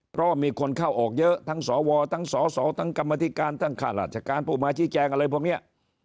เพราะมีคนเข้าออกเยอะทั้งสวทั้งสสทั้งกรรมธิการทั้งข้าราชการผู้มาชี้แจงอะไรพวกนี้